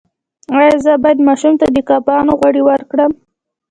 ایا زه باید ماشوم ته د کبانو غوړي ورکړم؟